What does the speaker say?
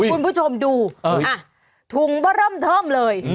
คุณผู้ชมดูอ่าถุงเบ้อเริ่มเทิมเลย